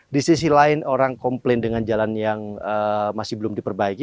di sisi lain orang komplain dengan jalan yang masih belum diperbaiki